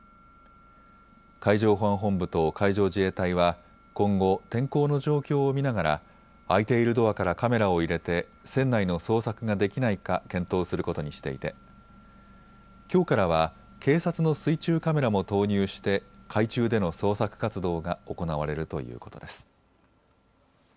海上保安本部と海上自衛隊は今後、天候の状況を見ながら開いているドアからカメラを入れて船内の捜索ができないか検討することにしていてきょうからは警察の水中カメラも投入して海中での捜索活動が行われるということです。